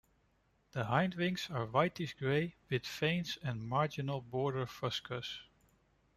The hindwings are whitish grey with veins and marginal border fuscous.